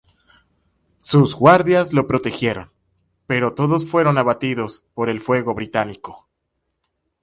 Sus guardias lo protegieron, pero todos fueron abatidos por el fuego británico.